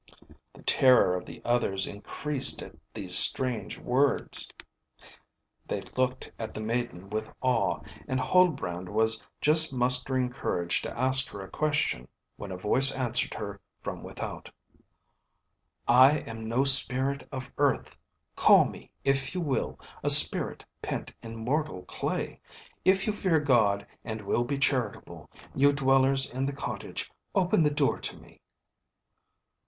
The terror of the others increased at these strange words; they looked at the maiden with awe, and Huldbrand was just mustering courage to ask her a question, when a voice answered her from without: "I am no spirit of earth; call me, if you will, a spirit pent in mortal clay. If you fear God, and will be charitable, you dwellers in the cottage, open the door to me."